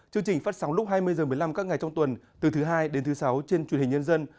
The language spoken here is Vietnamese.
chương trình phát sóng lúc hai mươi h một mươi năm các ngày trong tuần từ thứ hai đến thứ sáu trên truyền hình nhân dân